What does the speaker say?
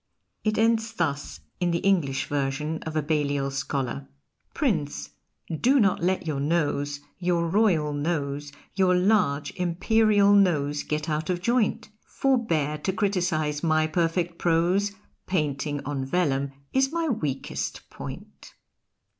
It ends thus in the English version of a Balliol scholar: Prince, do not let your nose, your Royal nose, Your large Imperial nose get out of joint; Forbear to criticise my perfect prose Painting on vellum is my weakest point.